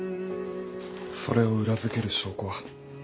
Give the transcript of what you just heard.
それを裏付ける証拠は？